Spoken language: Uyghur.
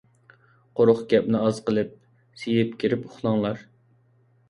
قۇرۇق گەپنى ئاز قىلىپ، سىيىپ كىرىپ ئۇخلاڭلار.